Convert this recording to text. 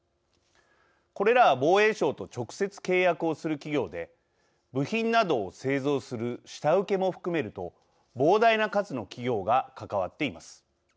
これらは防衛省と直接契約をする企業で部品などを製造する下請けも含めると膨大な数の企業が関わっています。